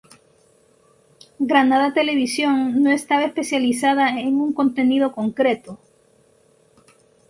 Granada Television no estaba especializada en un contenido concreto.